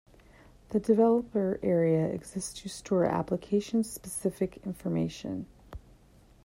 The developer area exists to store application-specific information.